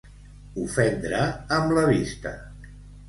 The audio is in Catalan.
Ofendre amb la vista.